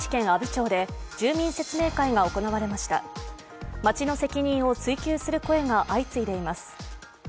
町の責任を追及する声が相次いでいます。